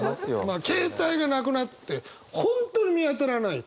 まあ携帯がなくなって本当に見当たらない。